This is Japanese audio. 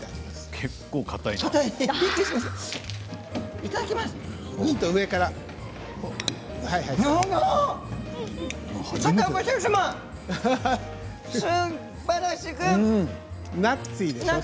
結構、かたいですね。